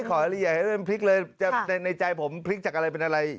ขออะไรอย่าให้มันพลิกเลยในใจผมพลิกจากอะไรเป็นอะไร